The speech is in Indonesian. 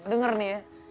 dengar nih ya